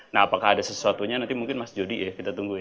nah apakah ada sesuatunya nanti mungkin mas jody ya kita tunggu ya